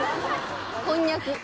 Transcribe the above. こんにゃく。